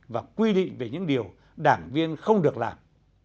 và quy định về những điều đảng viên không được làm